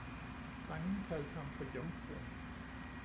Drengene kaldte ham for "Jomfruen".